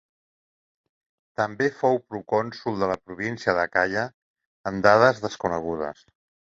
També fou Procònsol de la província d'Acaia en dades desconegudes.